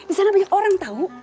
di sana banyak orang tahu